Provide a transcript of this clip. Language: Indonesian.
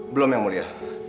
belum yang mulia